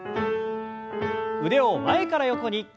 腕を前から横に。